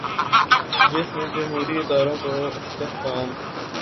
جس نے جمہوری اداروں کو استحکام